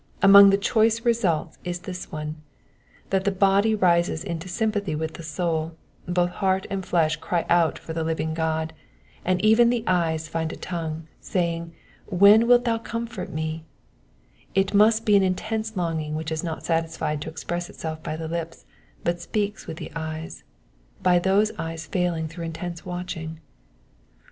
Among the choice results is this one — that the body rises into sympathy with the soul, both heart and flesh cry out for the living God, and even the eyes find a tongue, saying, When wilt thou comfort me V^ It must be an intense longing which is not satisfied to express itself by the lips, but speaks with the eyes, by those eyes failing through intense watching.